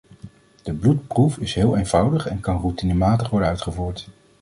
De bloedproef is heel eenvoudig en kan routinematig worden uitgevoerd.